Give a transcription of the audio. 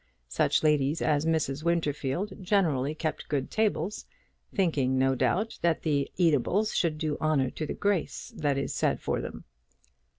Such ladies as Mrs. Winterfield generally keep good tables, thinking no doubt that the eatables should do honour to the grace that is said for them.